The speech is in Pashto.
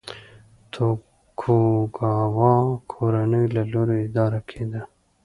توکوګاوا کورنۍ له لوري اداره کېده.